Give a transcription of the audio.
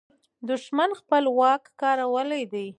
دښمن خپل ځواک کارولی دی.